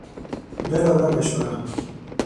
ډله ورکه شوه.